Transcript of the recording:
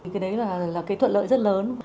cái đấy là cái thuận lợi rất lớn